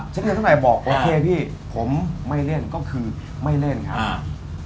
เงินเท่าไหร่บอกโอเคพี่ผมไม่เล่นก็คือไม่เล่นครับอ่า